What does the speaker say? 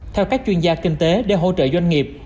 theo các chuyên gia kinh tế để hỗ trợ doanh nghiệp